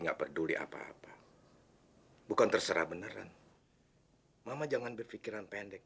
nggak peduli apa apa bukan terserah beneran mama jangan berpikiran pendek